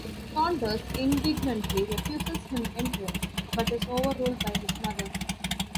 Saunders indignantly refuses him entrance, but is overruled by his mother.